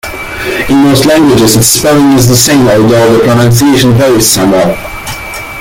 In most languages its spelling is the same, although the pronunciation varies somewhat.